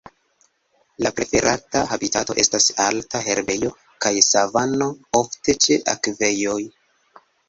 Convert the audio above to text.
La preferata habitato estas alta herbejo kaj savano, ofte ĉe akvejoj.